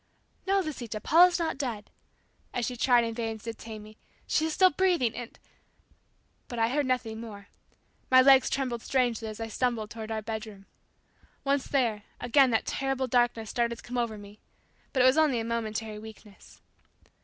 "No, Lisita; Paula's not dead," as she tried in vain to detain me; "She is still breathing and" but I heard nothing more. My legs trembled strangely as I stumbled toward our bedroom. Once there, again that terrible darkness started to come over me, but it was only a momentary weakness.